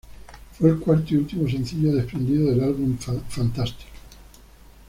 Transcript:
Fue el cuarto y último sencillo desprendido del álbum Fantastic.